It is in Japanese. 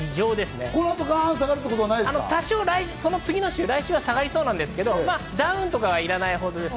その次の週、来週は下がりそうですけど、ダウンとかは、いらないほどです。